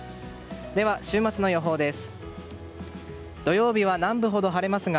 では、週末の予報です。